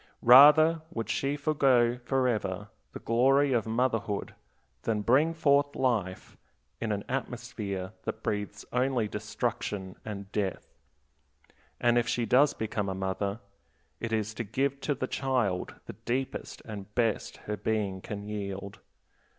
Rather would she forego forever the glory of motherhood than bring forth life in an atmosphere that breathes only destruction and death. And if she does become a mother, it is to give to the child the deepest and best her being can yield.